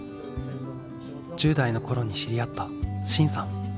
１０代の頃に知り合った真さん。